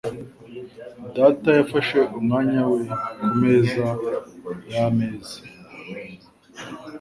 Data yafashe umwanya we kumeza yameza.